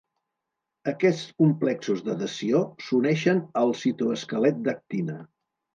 Aquests complexos d’adhesió s’uneixen al citoesquelet d’actina.